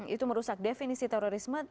itu merusak definisi terorisme